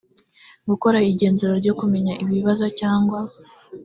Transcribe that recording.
gukora igenzura ryo kumenya ibibazo cyangwa